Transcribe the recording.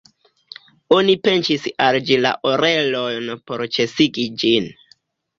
Oni pinĉis al ĝi la orelojn por ĉesigi ĝin.